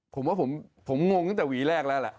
ผมว่าผมงงตั้งแต่หวีแรกแล้วแหละ